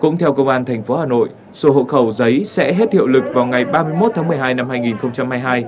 cũng theo công an tp hà nội số hộ khẩu giấy sẽ hết hiệu lực vào ngày ba mươi một tháng một mươi hai năm hai nghìn hai mươi hai